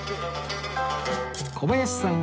小林さん